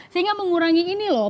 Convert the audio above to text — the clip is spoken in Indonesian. sehingga mengurangi ini loh